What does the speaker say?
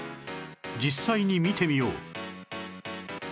実際に見てみよう